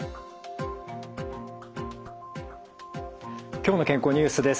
「きょうの健康ニュース」です。